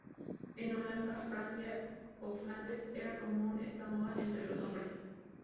En Holanda, Francia o Flandes era común esta moda entre los hombres.